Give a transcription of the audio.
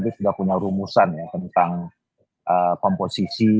dia sudah punya rumusan ya tentang komposisi